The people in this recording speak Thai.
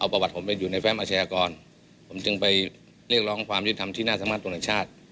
เอาประวัติผมไปอยู่ในแฟมอาชญากรผมจึงไปเรียกร้องความยืนธรรมที่น่าสำหรับตัวเนื้อชาติ